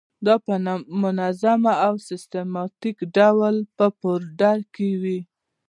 دا په منظم او سیستماتیک ډول په فولډر کې وي.